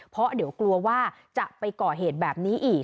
เพราะเดี๋ยวกลัวว่าจะไปก่อเหตุแบบนี้อีก